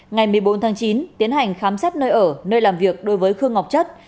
ngày một mươi bốn tháng chín tiến hành khám xét nơi ở nơi làm việc đối với khương ngọc chất